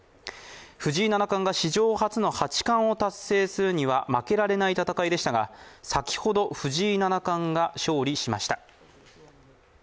藤井七冠が史上初の八冠を達成するには負けられない戦いでしたが、先ほど藤井七冠が勝利しました。